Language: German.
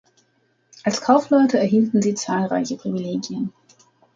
Als Kaufleute erhielten sie zahlreiche Privilegien.